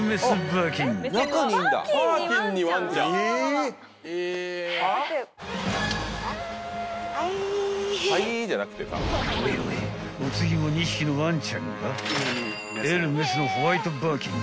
［おいおいお次も２匹のワンちゃんがエルメスのホワイトバーキン